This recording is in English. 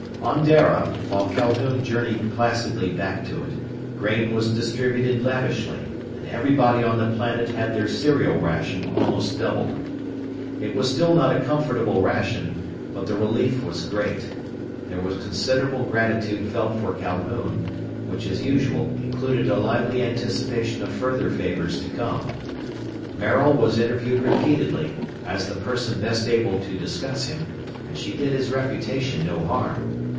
On Dara, while Calhoun journeyed placidly back to it, grain was distributed lavishly, and everybody on the planet had their cereal ration almost doubled. It was still not a comfortable ration, but the relief was great. There was considerable gratitude felt for Calhoun, which as usual included a lively anticipation of further favors to come. Maril was interviewed repeatedly, as the person best able to discuss him, and she did his reputation no harm.